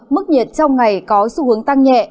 mức nhiệt trong ngày có xu hướng tăng nhẹ